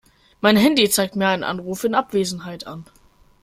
Mein Handy zeigt mir einen Anruf in Abwesenheit an.